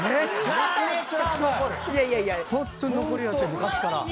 ホントに残りやすい昔から。